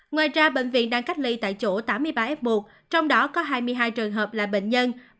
ngoài ra bệnh viện đang cách ly tại chỗ tám mươi ba f một trong đó có hai mươi hai trường hợp là bệnh nhân